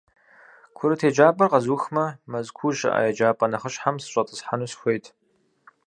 Курыт еджапӀэр къэзухмэ, Мэзкуу щыӀэ еджапӏэ нэхъыщхьэм сыщӏэтӏысхьэну сыхуейт.